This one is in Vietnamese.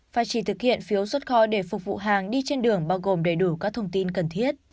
và chỉ thực hiện phiếu xuất kho để phục vụ hàng đi trên đường bao gồm đầy đủ các thông tin cần thiết